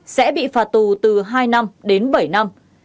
sẽ bị phạt tù từ hai năm đến bảy năm